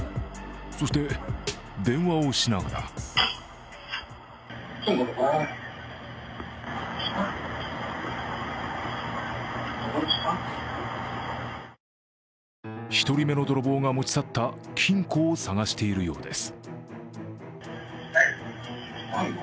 そして電話をしながら１人目の泥棒が持ち去った金庫を探しているようです。